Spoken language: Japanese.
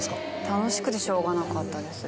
楽しくてしょうがなかったです。